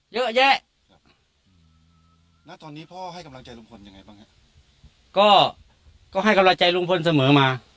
เยอะแยะครับณตอนนี้พ่อให้กำลังใจลุงพลยังไงบ้างฮะก็ก็ให้กำลังใจลุงพลเสมอมา